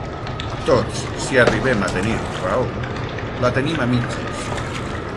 Tots, si arribem a tenir raó, la tenim a mitges.